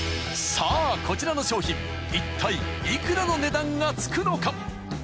［さあこちらの商品いったい幾らの値段が付くのか］